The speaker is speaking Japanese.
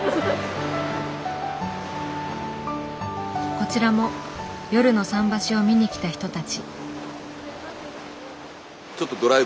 こちらも夜の桟橋を見に来た人たち。